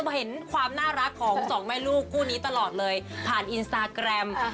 ผมเห็นความน่ารักของสองแม่ลูกคู่นี้ตลอดเลยผ่านอินสตาแกรม